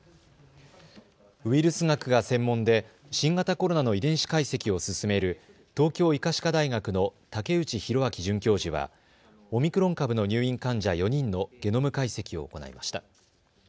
ウイルス学が専門で新型コロナの遺伝子解析を進める東京医科歯科大学の武内寛明准教授はオミクロン株の入院患者４人のゲノム解析を行いました。